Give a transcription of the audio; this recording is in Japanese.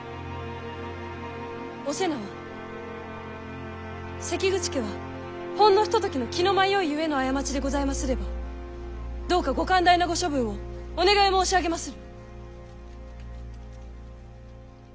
お瀬名は関口家はほんのひとときの気の迷いゆえの過ちでございますればどうかご寛大なご処分をお願い申し上げまする。